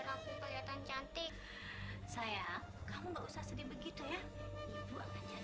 sampai jumpa di video selanjutnya